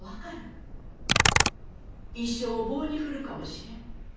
一生を棒に振るかもしれん。